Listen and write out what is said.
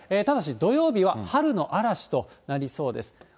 ただし土曜日は春の嵐となりそうです。